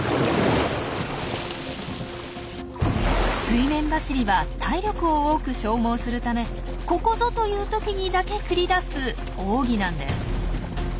水面走りは体力を多く消耗するためここぞという時にだけ繰り出す奥義なんです。